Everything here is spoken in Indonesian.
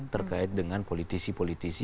terkait dengan politisi politisi